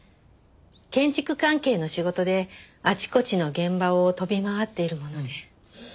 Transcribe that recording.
建築関係の仕事であちこちの現場を飛び回っているもので。